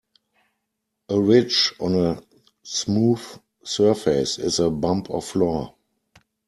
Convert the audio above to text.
A ridge on a smooth surface is a bump or flaw.